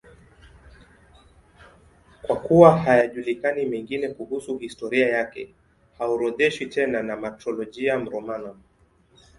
Kwa kuwa hayajulikani mengine kuhusu historia yake, haorodheshwi tena na Martyrologium Romanum.